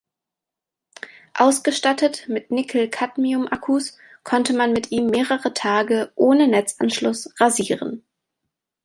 Ausgestattet mit Nickel-Cadmium-Akkus konnte man mit ihm mehrere Tage ohne Netzanschluss rasieren.